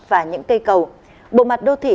và những cây cầu bộ mặt đô thị